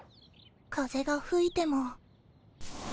風がふいても。